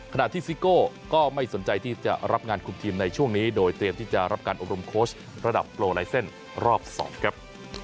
ซิโก้ก็ไม่สนใจที่จะรับงานคุมทีมในช่วงนี้โดยเตรียมที่จะรับการอบรมโค้ชระดับโปรไลเซ็นต์รอบ๒ครับ